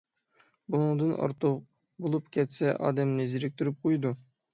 بۇنىڭدىن ئارتۇق بولۇپ كەتسە ئادەمنى زېرىكتۈرۈپ قويىدۇ.